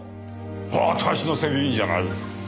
私の責任じゃない。